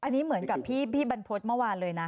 อันนี้เหมือนกับพี่บรรพฤษเมื่อวานเลยนะ